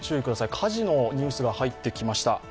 火事のニュースが入ってきました。